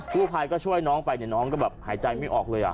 ผู้ภัยก็ช่วยน้องไปเนี่ยน้องก็แบบหายใจไม่ออกเลย